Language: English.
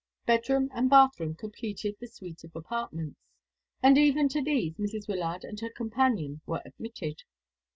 Bedroom and bathroom completed the suite of apartments, and even to these Mrs. Wyllard and her companion were admitted.